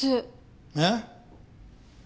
えっ？